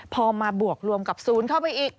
พอมาบวกรวมกับศูนย์เข้าไปอีก